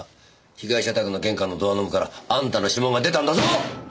被害者宅の玄関のドアノブからあんたの指紋が出たんだぞ！